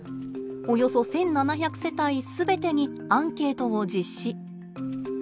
およそ１，７００世帯全てにアンケートを実施。